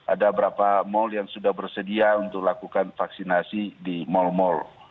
ada berapa mall yang sudah bersedia untuk lakukan vaksinasi di mal mal